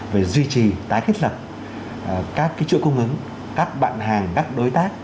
về duy trì tái kết lập các cái chuỗi cung ứng các bạn hàng các đối tác